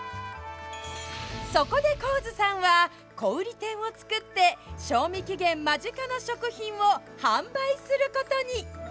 そこで高津さんは小売店を作って賞味期限間近な食品を販売することに。